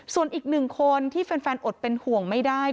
ส่วนอีกหนึ่งคนที่แฟนอดเป็นห่วงไม่ได้